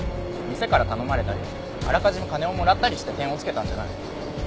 店から頼まれたりあらかじめ金をもらったりして点を付けたんじゃない。